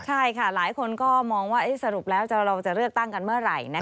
ใช่ค่ะหลายคนก็มองว่าสรุปแล้วเราจะเลือกตั้งกันเมื่อไหร่